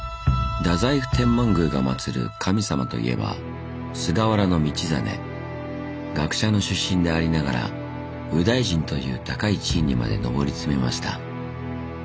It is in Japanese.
太宰府天満宮が祀る神様といえば学者の出身でありながら右大臣という高い地位にまで上り詰めました。